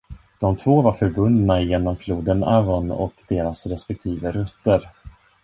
De två var förbundna genom floden Avon och deras respektive rutter.